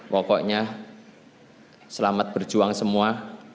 semoga selamat berjuang semua